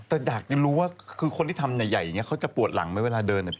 แต่อยากจะรู้ว่าคือคนที่ทำใหญ่อย่างนี้เขาจะปวดหลังไหมเวลาเดินเนี่ย